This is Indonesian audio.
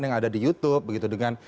yang ada di youtube begitu dengan